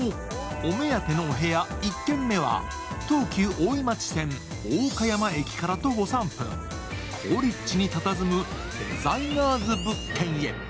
お目当てのお部屋、１軒目は東急大井町線・大岡山駅から徒歩３分、好立地にたたずむデザイナーズ物件へ。